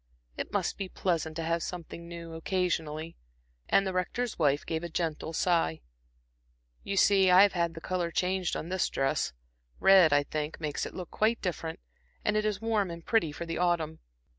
It must be pleasant to have something new occasionally" and the Rector's wife gave a gentle sigh. "You see I have had the color changed on this dress red, I think, makes it look quite different, and it is warm and pretty for the autumn.